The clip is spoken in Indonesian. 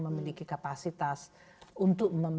memiliki kapasitas untuk